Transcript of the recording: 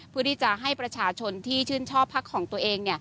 เพื่อที่จะให้ประชาชนที่ชื่นชอบพักของตัวเอง